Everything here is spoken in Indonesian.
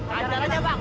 ajar aja bang